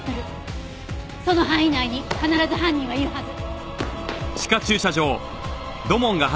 その範囲内に必ず犯人はいるはず。